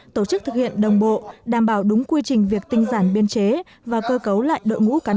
tổ chức thực hiện đồng bộ đảm bảo đúng quy trình việc tinh giản biên chế và cơ cấu lại đội ngũ cán